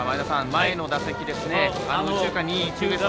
前の打席ですね。